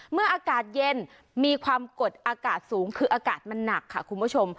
เมื่ออากาศเย็นมีความกดอากาศสูงคืออากาศมันหนักค่ะคุณผู้ชม